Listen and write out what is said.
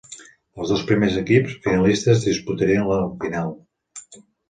Els dos primers equips finalistes disputarien la final.